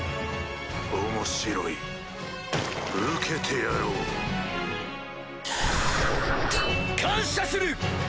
面白い受けてやろう。感謝する！